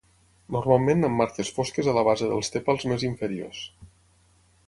Normalment amb marques fosques a la base dels tèpals més inferiors.